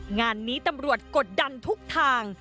งานนี้ตำรวจกดดันทุกทาง